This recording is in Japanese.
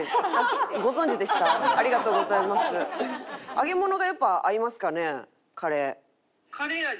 揚げ物がやっぱ合いますかねカレー。